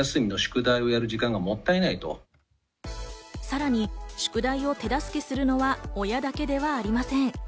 さらに宿題を手助けするのは親だけではありません。